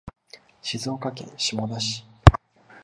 静岡県下田市